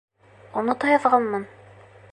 Онота яҙғанмын!